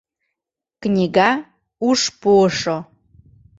КНИГА — УШ ПУЫШО